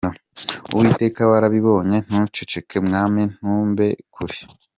Uwiteka, warabibonye ntuceceke, Mwami ntumbe kure.